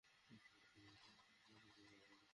ওর সাম্রাজ্য কীভাবে ধ্বংস করা যায়?